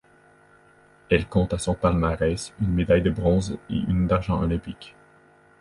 Elle compte à son palmarès une médaille de bronze et une d'argent olympique.